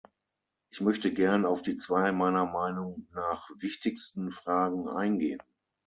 Ich möchte gern auf die zwei meiner Meinung nach wichtigsten Fragen eingehen.